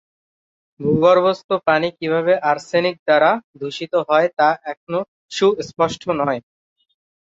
ভূগর্ভস্থ পানি কিভাবে আর্সেনিক দ্বারা দুষিত হয় তা এখনও সুস্পষ্ট নয়।